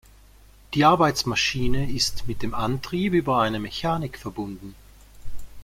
Die Arbeitsmaschine ist mit dem Antrieb über eine Mechanik verbunden.